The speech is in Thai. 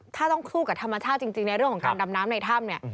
ถ้าต้องสู้กับธรรมชาติจริงในเรื่องของการดำน้ำในถ้ำเนี่ย